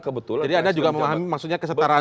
kebetulan jadi anda juga memahami maksudnya kesetaraan